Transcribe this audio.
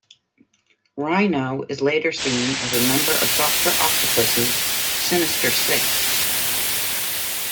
Rhino is later seen as a member of Doctor Octopus' Sinister Six.